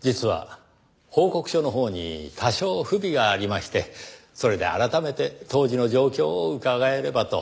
実は報告書のほうに多少不備がありましてそれで改めて当時の状況を伺えればと。